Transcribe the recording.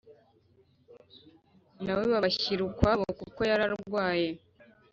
na we babashyira ukwabo kuko yararwaye